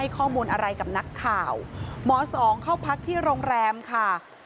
ข้อมูลอะไรกับนักข่าวหมอสองเข้าพักที่โรงแรมค่ะ